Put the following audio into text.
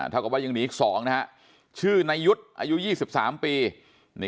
เท่ากับว่ายังหนีอีก๒นะฮะชื่อนายุทธ์อายุ๒๓ปี